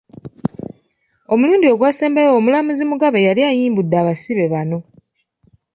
Omulundi ogwasembayo omulamuzi Mugambe yali ayimbudde abasibe bano.